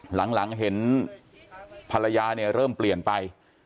หลังเห็นภรรยาเนี่ยเริ่มเปลี่ยนไป